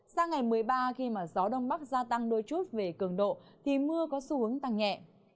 sang ngày một mươi ba khi gió đông bắc gia tăng đôi chút về cường độ thì mưa có xu hướng tăng nhẹ